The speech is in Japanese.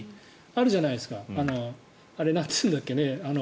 あるじゃないですかあれ、なんて言うんだっけ。